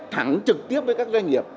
thẳng trực tiếp với các doanh nghiệp